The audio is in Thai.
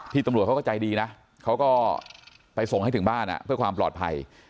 ตำรวจเขาก็ใจดีนะเขาก็ไปส่งให้ถึงบ้านเพื่อความปลอดภัย